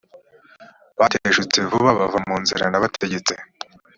bateshutse vuba bava mu nzira nabategetse